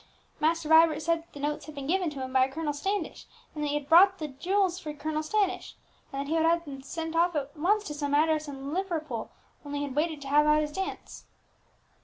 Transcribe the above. "Master Vibert said that the notes had been given to him by a Colonel Standish; and that he had bought the jewels for Colonel Standish; and that he would have sent them off at once to some address in Liverpool, only he had waited to have out his dance."